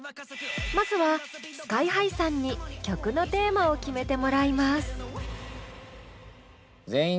まずはＳＫＹ−ＨＩさんに曲のテーマを決めてもらいます。